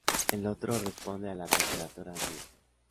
El otro responde a la temperatura ambiente.